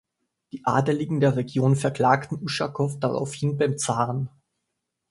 Die Adligen der Region verklagten Uschakow daraufhin beim Zaren.